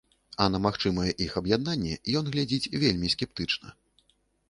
А на магчымае іх аб'яднанне ён глядзіць вельмі скептычна.